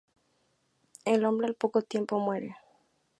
El hombre al poco tiempo muere.